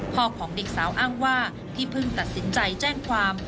ของเด็กสาวอ้างว่าที่เพิ่งตัดสินใจแจ้งความ